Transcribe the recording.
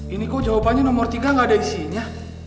ini kok jawabannya nomor tiga gak ada isinya